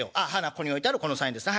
ここに置いてあるこの３円ですね。